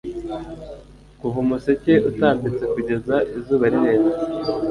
Kuva umuseke utambitse kugeza izuba rirenze